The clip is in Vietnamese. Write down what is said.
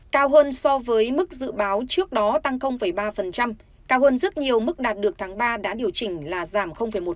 cao hơn so với mức dự báo trước đó tăng ba cao hơn rất nhiều mức đạt được tháng ba đã điều chỉnh là giảm một